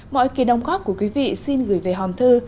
mọi kỳ đồng góp của quý vị xin gửi về hòm thư